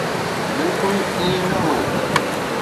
بلڪل ائين نه هو.